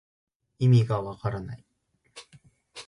いみがわからない